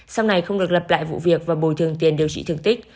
sau này không được lập lại vụ việc và bồi thường tiền điều trị thường tích